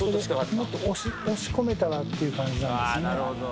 もっと押し込めたらっていう感じなるほど。